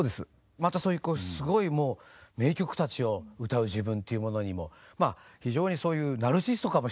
またそういうすごいもう名曲たちを歌う自分っていうものにもまあ非常にそういうナルシストかもしれないけど。